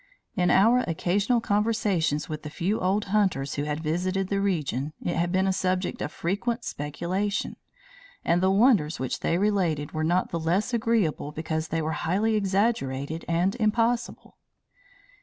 "In our occasional conversations with the few old hunters who had visited the region, it had been a subject of frequent speculation; and the wonders which they related were not the less agreeable because they were highly exaggerated and impossible.